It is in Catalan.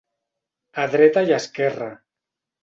A dreta i esquerra.